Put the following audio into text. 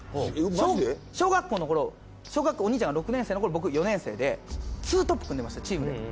マジで？小学校の頃小学校お兄ちゃんが６年生の頃僕４年生でツートップ組んでましたチームで。